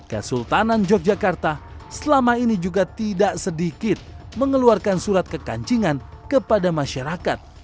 kesultanan yogyakarta selama ini juga tidak sedikit mengeluarkan surat kekancingan kepada masyarakat